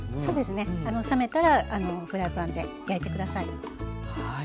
そうですね冷めたらフライパンで焼いて下さい。